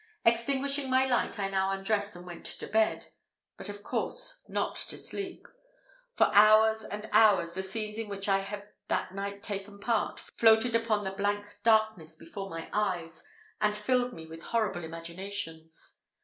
Extinguishing my light, I now undressed and went to bed, but of course not to sleep. For hours and hours, the scenes in which I had that night taken part floated upon the blank darkness before my eyes, and filled me with horrible imaginations.